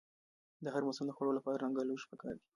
د هر موسم د خوړو لپاره رنګه لوښي پکار دي.